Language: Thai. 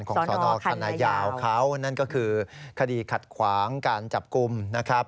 สนคณะยาวเขานั่นก็คือคดีขัดขวางการจับกลุ่มนะครับ